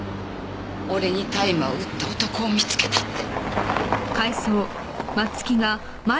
俺に大麻を売った男を見つけたって。